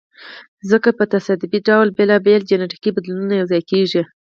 ځکه په تصادفي ډول بېلابېل جینټیکي بدلونونه یو ځای کیږي.